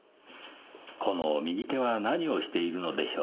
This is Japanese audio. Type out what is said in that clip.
この右手は何をしているのでしょう？